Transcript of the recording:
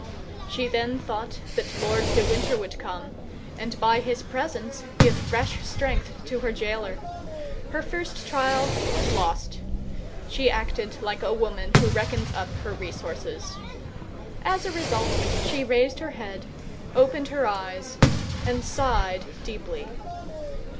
She then thought that Lord de Winter would come, and by his presence give fresh strength to her jailer. Her first trial was lost; she acted like a woman who reckons up her resources. As a result she raised her head, opened her eyes, and sighed deeply.